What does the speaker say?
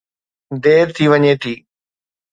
دير ٿي وڃي ٿي.